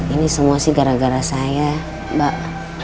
ini semua sih gara gara saya mbak